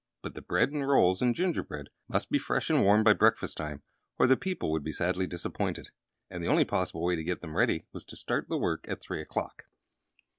But the bread and rolls and gingerbread must be fresh and warm by breakfast time, or the people would be sadly disappointed; and the only possible way to get them ready was to start the work at three o'clock.